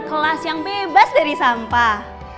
kelas yang bebas dari sampah